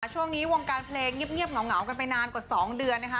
ช่วงนี้วงการเพลงเงียบเหงากันไปนานกว่า๒เดือนนะคะ